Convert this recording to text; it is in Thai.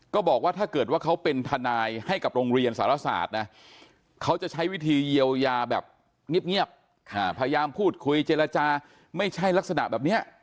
ก็บอกว่าถ้าเกิดว่าเขาเป็นทนายให้กับโรงเรียนสารศาสตร์นะเขาจะใช้วิธีเยียวยาแบบเงียบพยายามพูดคุยเจรจาไม่ใช่ลักษณะแบบนี้